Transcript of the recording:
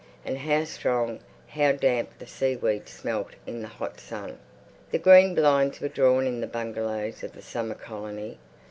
And how strong, how damp the seaweed smelt in the hot sun.... The green blinds were drawn in the bungalows of the summer colony.